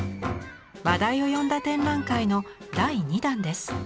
話題を呼んだ展覧会の第２弾です。